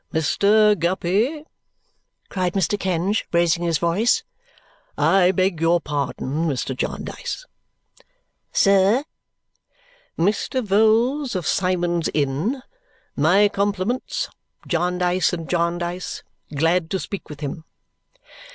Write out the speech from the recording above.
"Mr. Guppy!" cried Mr. Kenge, raising his voice. "I beg your pardon, Mr. Jarndyce." "Sir." "Mr. Vholes of Symond's Inn. My compliments. Jarndyce and Jarndyce. Glad to speak with him."